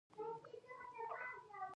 يوازې هوښيار پري پوهيږي